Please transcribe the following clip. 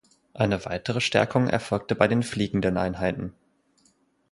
Eine weitere Stärkung erfolgte bei den fliegenden Einheiten.